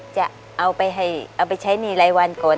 จะเอาไปใช้หนี้รายวันก่อน